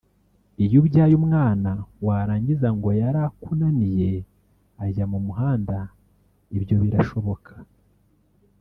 iyo ubyaye umwana warangiza ngo yarakunaniye ajya mu muhanda ibyo birashoboka